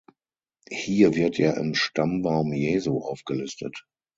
Hier wird er im Stammbaum Jesu aufgelistet.